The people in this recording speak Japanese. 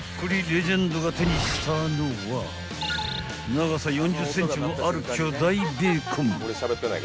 ［長さ４０ｃｍもある巨大ベーコン］